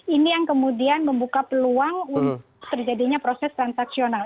ini yang kemudian membuka peluang untuk terjadinya proses transaksional